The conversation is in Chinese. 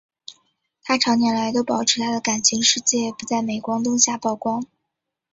她长年来都保持她的感情世界不在镁光灯下曝光。